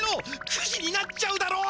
９時になっちゃうだろ！